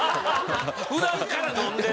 普段から飲んでる。